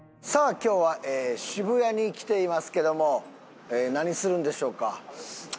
今日は渋谷に来ていますけども何するんでしょうか？